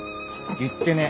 言ってねえ。